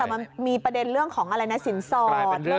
แต่มันมีประเด็นเรื่องของอะไรนะสินสอด